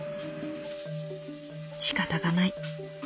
「しかたがない。